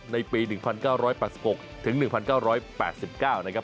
ในปี๑๙๘๖ถึง๑๙๘๙นะครับ